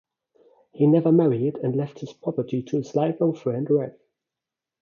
He never married and left his property to his lifelong friend Rev.